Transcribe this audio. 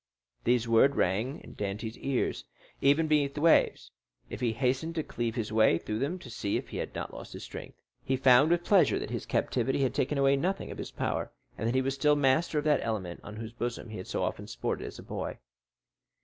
These words rang in Dantès' ears, even beneath the waves; he hastened to cleave his way through them to see if he had not lost his strength. He found with pleasure that his captivity had taken away nothing of his power, and that he was still master of that element on whose bosom he had so often sported as a boy.